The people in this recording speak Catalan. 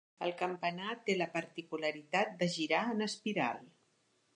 El campanar té la particularitat de girar en espiral.